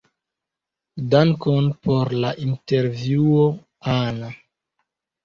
Dankon por la intervjuo, Ana.